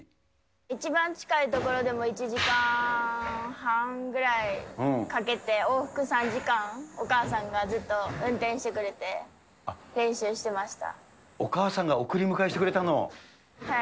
一番近い所でも、１時間半ぐらいかけて、往復３時間、お母さんがずっと運転してくお母さんが送り迎えしてくれはい。